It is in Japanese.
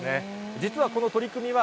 実はこの取り組みは、